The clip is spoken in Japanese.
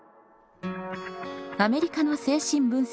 アメリカの精神分析学者